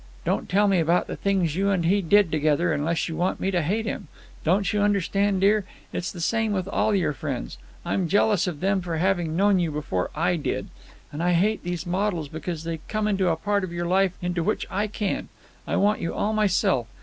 Don't tell me about the things you and he did together, unless you want me to hate him. Don't you understand, dear? It's the same with all your friends. I'm jealous of them for having known you before I did. And I hate these models because they come into a part of your life into which I can't. I want you all to myself.